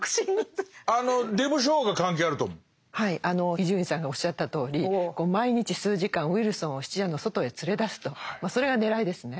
伊集院さんがおっしゃったとおり毎日数時間ウィルソンを質屋の外へ連れ出すとそれが狙いですね。